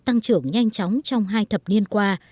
tăng trưởng nhanh chóng trong hai thập niên qua